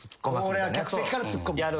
俺が客席からツッコむ。